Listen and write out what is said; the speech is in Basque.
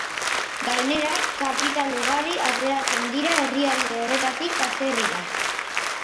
Gainera, kapital ugari ateratzen ari da herrialde horretatik atzerrira.